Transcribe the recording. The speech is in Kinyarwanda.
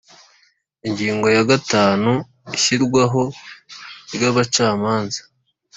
Ingingo ya gatanu Ishyirwaho ry abacamanza